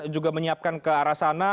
juga menyiapkan ke arah sana